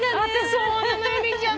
そうなの由美ちゃん。